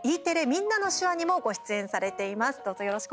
「みんなの手話」にもご出演されています。